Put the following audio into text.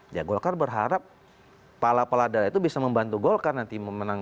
ya golkar berharap kepala kepala daerah itu bisa membantu golkar nanti memenangkan